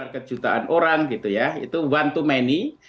kejutaan orang gitu ya itu one to many